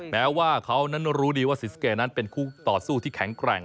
แม้ว่าเขานั้นรู้ดีว่าศรีสะเกดนั้นเป็นคู่ต่อสู้ที่แข็งแกร่ง